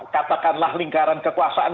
katakanlah lingkaran kekuasaan